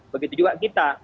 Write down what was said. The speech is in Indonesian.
begitu juga kita